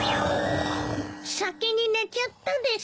先に寝ちゃったです。